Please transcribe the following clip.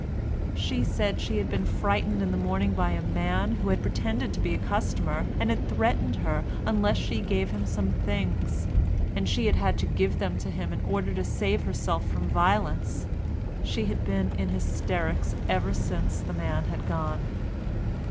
She said she had been frightened in the morning by a man who had pretended to be a customer, and had threatened her unless she gave him some things, and she had had to give them to him in order to save herself from violence; she had been in hysterics ever since the man had gone.